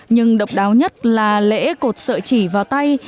nhưng độc đáo nhất là lễ cột sợi chỉ vào tay